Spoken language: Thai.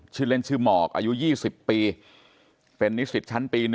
ชื่อเล่นชื่อหมอกอายุ๒๐ปีเป็นนิสิตชั้นปี๑